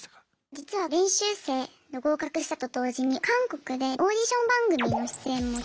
実は練習生の合格したと同時に韓国でオーディション番組の出演も決まっていて。